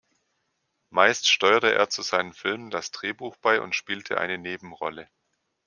Meist steuerte er zu seinen Filmen das Drehbuch bei und spielte eine Nebenrolle.